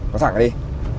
nói thẳng cái đi